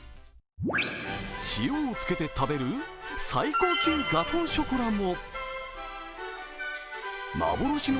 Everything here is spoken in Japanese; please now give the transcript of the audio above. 塩をつけて食べる、最高級ガトーショコラも。